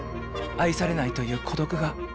愛されないという孤独が。